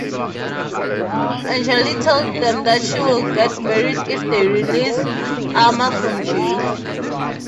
Anjali tells them that she will get married if they release Amar from jail.